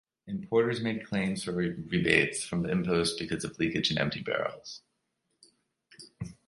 Importers made claims for rebates from the impost because of leakage and empty barrels.